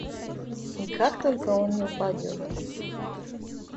И как только он не упадет.